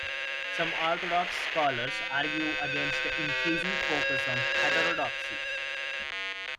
Some orthodox scholars argue against the increasing focus on heterodoxy.